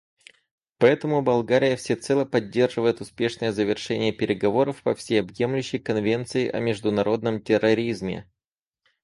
Поэтому Болгария всецело поддерживает успешное завершение переговоров по всеобъемлющей конвенции о международном терроризме.